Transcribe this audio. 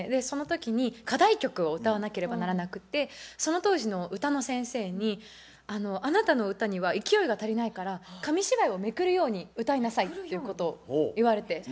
その時に課題曲を歌わなければならなくってその当時の歌の先生に「あなたの歌には勢いが足りないから紙芝居をめくるように歌いなさい」っていうことを言われて。